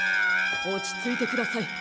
おちついてください。